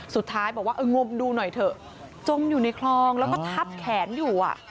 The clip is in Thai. สุดท้ายบอกว่าเอองมดูหน่อยเถอะจมอยู่ในคลองแล้วก็ทับแขนอยู่อ่ะ